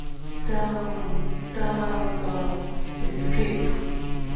drugs, danger, escape.